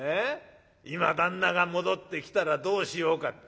『今旦那が戻ってきたらどうしようか』